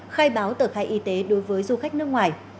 khai báo tờ khai y tế đối với du khách nước ngoài